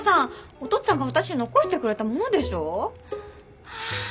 お父っつぁんが私に残してくれたものでしょう？はあ